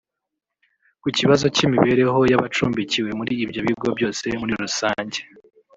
Ku kibazo cy’imibereho y’abacumbikiwe muri ibyo bigo byose muri rusange